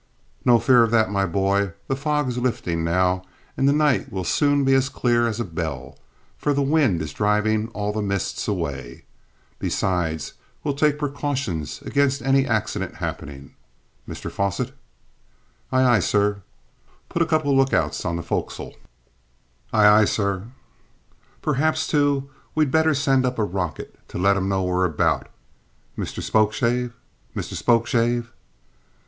"No fear of that, my boy: The fog is lifting now and the night will soon be as clear as a bell, for the wind is driving all the mists away. Besides, we'll take precautions against any accident happening. Mr Fosset?" "Aye, aye, sir?" "Put a couple of lookouts on the fo'c's'le." "Aye, aye, sir." "Perhaps, too, we'd better send up a rocket to let 'em know we're about. Mr Spokeshave? Mr Spokeshave?"